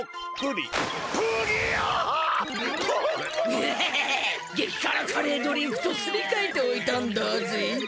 グハハハげきからカレードリンクとすりかえておいたんだぜ。